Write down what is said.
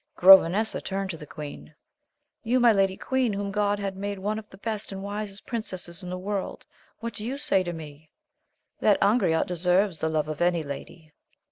Grovenesa turned to the queen, You, my lady queen, whom God has made one of the best and wisest princesses in the world, what do you say to me 1 — That Angriote deserves the love of any lady.